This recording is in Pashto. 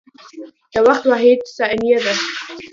د وخت واحد ثانیه ده.